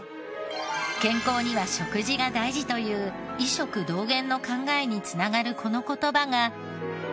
健康には食事が大事という医食同源の考えに繋がるこの言葉が。